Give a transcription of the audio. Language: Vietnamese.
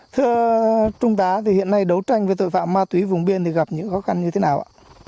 thưa trung tá hiện nay đấu tranh với tội phạm ma túy vùng biên gặp những khó khăn như thế nào